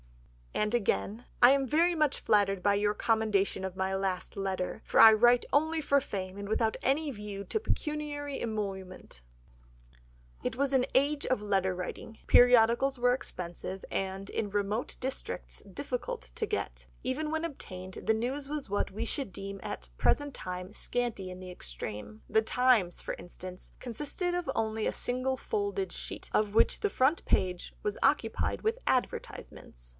And again, "I am very much flattered by your commendation of my last letter, for I write only for fame and without any view to pecuniary emolument." It was an age of letter writing, periodicals were expensive, and, in remote districts, difficult to get; even when obtained, the news was what we should deem at the present time scanty in the extreme. The Times, for instance, consisted of only a single folded sheet, of which the front page was occupied with advertisements.